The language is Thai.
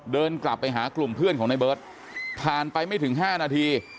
เดินกลับไปหากลุ่มเพื่อนของในเบิร์ตผ่านไปไม่ถึง๕นาที